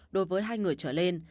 đối với hai người trở lên